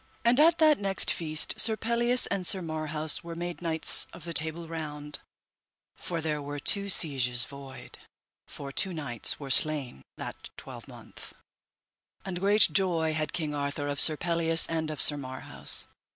And at that next feast Sir Pelleas and Sir Marhaus were made knights of the Table Round, for there were two sieges void, for two knights were slain that twelvemonth, and great joy had King Arthur of Sir Pelleas and of Sir Marhaus.